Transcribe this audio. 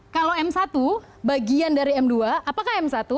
kalau m satu bagian dari m dua apakah m satu